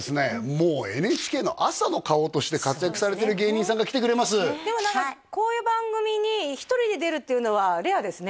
もうＮＨＫの朝の顔として活躍されてる芸人さんが来てくれますでも何かこういう番組に１人で出るっていうのはレアですね